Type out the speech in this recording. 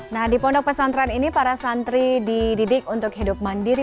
nah di pondok pesantren ini para santri dididik untuk hidup mandiri